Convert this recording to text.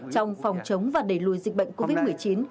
trong phòng chống và đẩy lùi dịch bệnh covid một mươi chín